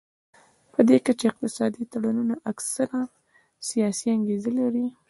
پدې کچه اقتصادي تړونونه اکثره سیاسي انګیزه لري